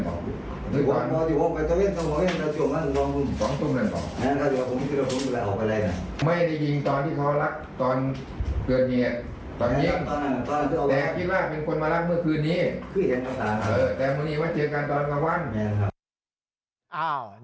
แต่วันนี้ว่าเจอกันตอนกลางวัน